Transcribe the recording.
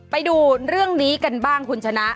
ไปดูเรื่องนี้กันบ้างคุณชนะ